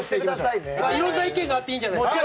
いろんな意見があっていいんじゃないですか？